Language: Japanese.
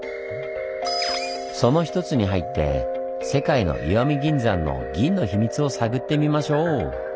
その一つに入って「世界の石見銀山」の銀のヒミツを探ってみましょう！